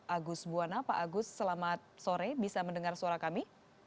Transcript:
agus buwana pak agus selamat sore bisa mendengar suara kami